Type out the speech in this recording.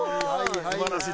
素晴らしい。